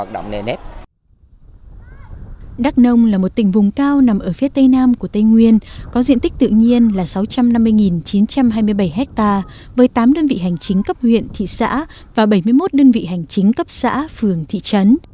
đó là sáu trăm năm mươi chín trăm hai mươi bảy hectare với tám đơn vị hành chính cấp huyện thị xã và bảy mươi một đơn vị hành chính cấp xã phường thị trấn